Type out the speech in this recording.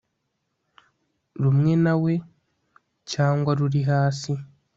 rumwe na we cyangwa ruri hasi